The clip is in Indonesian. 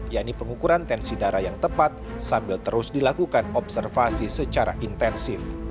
yaitu pengukuran tensi darah yang tepat sambil terus dilakukan observasi secara intensif